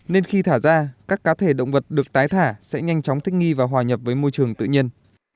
nên khi thả ra các cá thể động vật được tái thả sẽ nhanh chóng thích nghi và hòa nhập với môi trường tự nhiên